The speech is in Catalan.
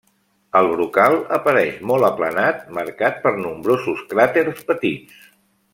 El brocal apareix molt aplanat, marcat per nombrosos cràters petits.